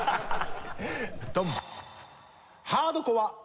ドン。